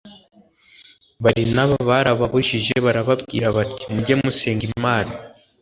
barinaba barababujije barababwira bati mujye musenga imana